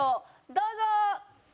どうぞ！